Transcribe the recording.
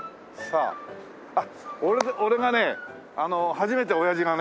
あっ俺がね初めて親父がね